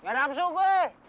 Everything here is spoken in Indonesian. gak ada hampsu gue